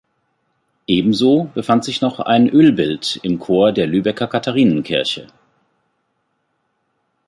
Ebenso befand sich noch ein Ölbild im Chor der Lübecker Katharinenkirche.